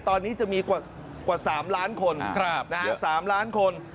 ตอนนี้จะมีกว่า๓ล้านคน